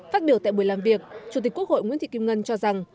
phát biểu tại buổi làm việc chủ tịch quốc hội nguyễn thị kim ngân cho rằng